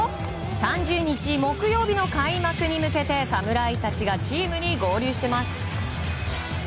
３０日木曜日の開幕に向けて侍たちがチームに合流してます。